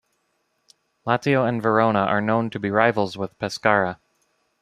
Lazio and Verona are known to be rivals with Pescara.